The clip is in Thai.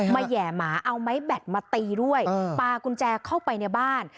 แห่หมาเอาไม้แบตมาตีด้วยปลากุญแจเข้าไปในบ้าน